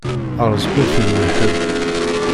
Ṛṛeẓq ur t-iṛwi ḥedd.